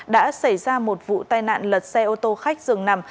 đã xảy ra một vụ tai nạn lật xe ô tô khách dường nằm